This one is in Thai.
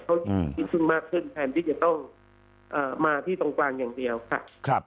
เขายิ่งขึ้นมากขึ้นแทนที่จะต้องมาที่ตรงกลางอย่างเดียวค่ะ